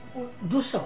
どうした？